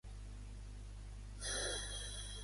El meu pare es diu Rio Olivo: o, ela, i, ve baixa, o.